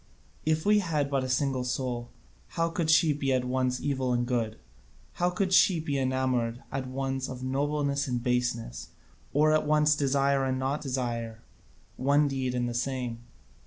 If we had but a single soul, how could she be at once evil and good? How could she be enamoured at once of nobleness and baseness, or at once desire and not desire one deed and the same?